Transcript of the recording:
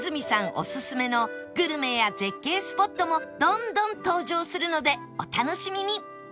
オススメのグルメや絶景スポットもどんどん登場するのでお楽しみに！